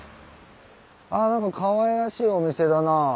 あ何かかわいらしいお店だな。